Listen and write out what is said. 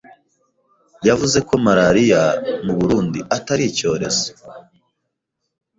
yavuze ko malaria mu Burundi atari icyorezo